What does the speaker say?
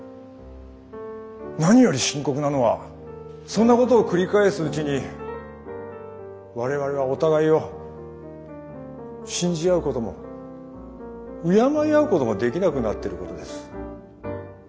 何より深刻なのはそんなことを繰り返すうちに我々はお互いを信じ合うことも敬い合うこともできなくなってることです。